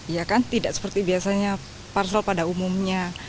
ya kan tidak seperti biasanya parsel pada umumnya